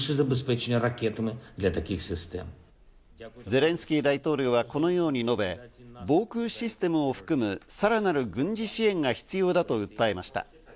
ゼレンスキー大統領はこのように述べ、防空システムを含む、さらなる軍事支援が必要だと訴えました。